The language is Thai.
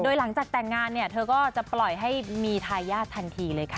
โดยหลังจากแต่งงานเนี่ยเธอก็จะปล่อยให้มีทายาททันทีเลยค่ะ